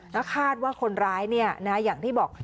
แล้วคาดว่าคนร้ายอย่างที่บอก